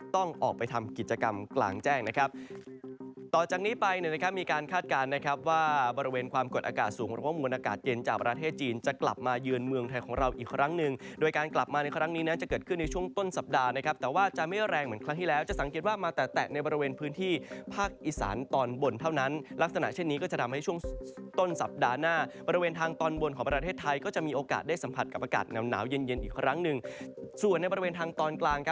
ต่อจากนี้ไปนะครับมีการคาดการณ์นะครับว่าบริเวณความกดอากาศสูงหรือว่ามวลอากาศเย็นจากประเทศจีนจะกลับมายืนเมืองไทยของเราอีกครั้งนึงโดยการกลับมาในครั้งนี้นะจะเกิดขึ้นในช่วงต้นสัปดาห์นะครับแต่ว่าจะไม่แรงเหมือนครั้งที่แล้วจะสังเกตว่ามาแต่แตะในบริเวณพื้นที่ภาคอิสานตอนบนเท่าน